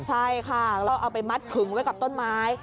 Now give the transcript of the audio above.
ใช่ค่ะแล้วเอาไปมัดขึงไว้กับต้นไม้